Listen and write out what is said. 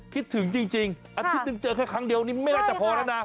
คิดถึงจริงอาทิตย์หนึ่งเจอแค่ครั้งเดียวนี่ไม่น่าจะพอแล้วนะ